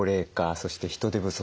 そして人手不足